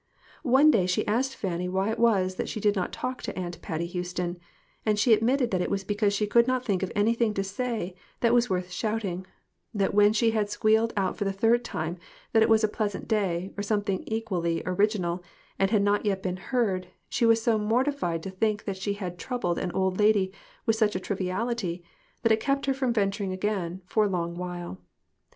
One day she asked Fanny why it was that she did not talk to Aunt Patty Houston, and she admitted that it was because she could not think of anything to say that was worth shouting ; that when she had squealed out for the third time that it was a pleasant day, or something equally orig inal, and had not yet been heard, she was so mor tified to think that she had troubled an old lady with such a triviality, that it kept her from ven turing again for a long while.